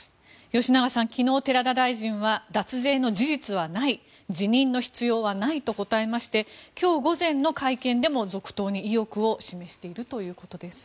吉永さん、昨日寺田大臣は、脱税の事実はない辞任の必要はないと答えまして今日午前の会見でも続投に意欲を示しているということです。